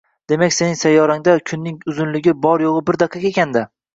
Demak, sening sayyorangda kunning uzunligi bor-yo‘g‘i bir daqiqa ekan-da!